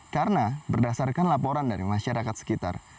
karena berdasarkan laporan dari masyarakat sekitar